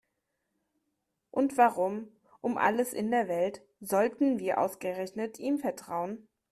Und warum um alles in der Welt sollten wir ausgerechnet ihm vertrauen?